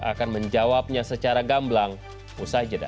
akan menjawabnya secara gamblang usai jeda